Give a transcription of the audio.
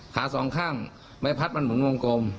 สองข้างใบพัดมันหมุนวงกลม